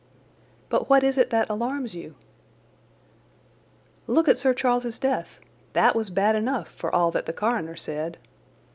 "But what is it that alarms you?" "Look at Sir Charles's death! That was bad enough, for all that the coroner said.